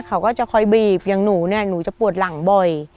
เขาก็จะคอยบีบอย่างหนูเนี่ยหนูจะปวดหลังบ่อย